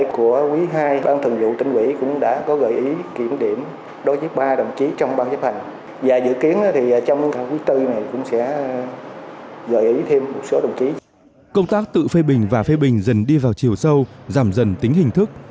công tác tự phê bình và phê bình dần đi vào chiều sâu giảm dần tính hình thức